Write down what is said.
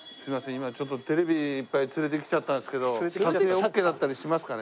今ちょっとテレビいっぱい連れてきちゃったんですけど撮影オッケーだったりしますかね？